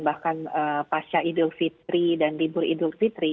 bahkan pasca idul fitri dan libur idul fitri